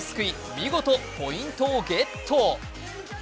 見事、ポイントをゲット。